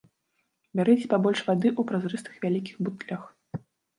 Бярыце пабольш вады ў празрыстых вялікіх бутлях.